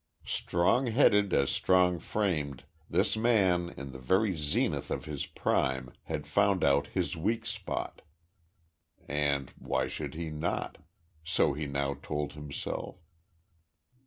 Strong headed as strong framed, this man in the very zenith of his prime, had found out his weak spot and, why should he not so he now told himself?